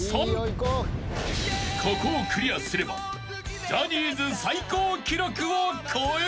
［ここをクリアすればジャニーズ最高記録を超える］